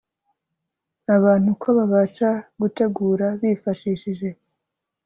abantu uko babasha gutegura bifashishije